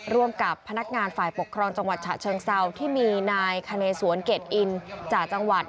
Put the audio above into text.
ร่วมกับพนักงานฝ่ายปกครองจังหวัดฉะเชิงเซาที่มีนายคเนสวนเกรดอินจากจังหวัด